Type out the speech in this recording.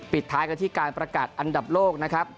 ท้ายกันที่การประกาศอันดับโลกนะครับ